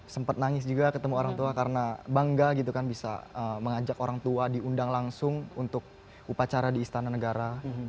sempat nangis juga ketemu orang tua karena bangga gitu kan bisa mengajak orang tua diundang langsung untuk upacara di istana negara